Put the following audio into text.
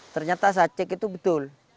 ternyata sacek itu betul